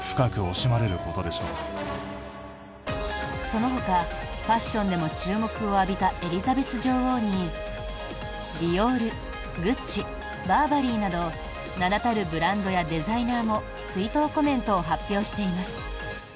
そのほか、ファッションでも注目を浴びたエリザベス女王にディオール、グッチバーバリーなど名だたるブランドやデザイナーも追悼コメントを発表しています。